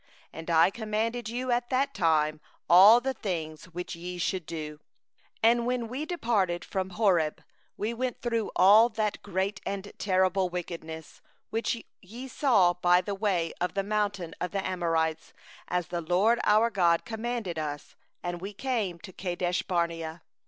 18And I commanded you at that time all the things which ye should do. 19And we journeyed from Horeb, and went through all that great and dreadful wilderness which ye saw, by the way to the hill country of the Amorites, as the LORD our God commanded us; and we came to Kadesh barnea.